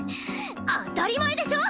当たり前でしょ！